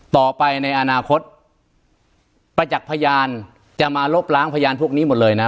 ต่อไปในอนาคตประจักษ์พยานจะมาลบล้างพยานพวกนี้หมดเลยนะ